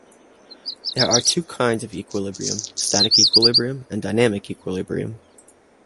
There are two kinds of equilibrium: static equilibrium and dynamic equilibrium.